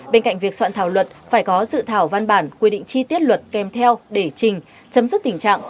bên cạnh việc soạn thảo luật phải có dự thảo văn bản quy định chi tiết luật kèm theo để trình chấm dứt tình trạng